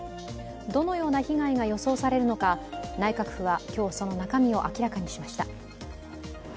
どのような被害が予想されるのか、内閣府は今日、その中身を明らかにしました。